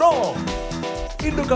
lain selain dokter